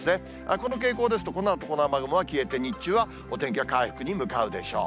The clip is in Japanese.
この傾向ですと、このあとこの雨雲は消えて日中は、お天気は回復に向かうでしょう。